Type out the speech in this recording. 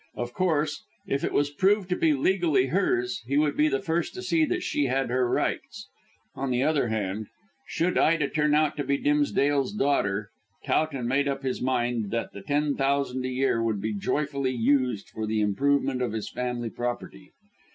Of course, if it was proved to be legally hers he would be the first to see that she had her rights. On the other hand, should Ida turn out to be Dimsdale's daughter, Towton made up his mind that the ten thousand a year would be joyfully used for the improvement of his family property.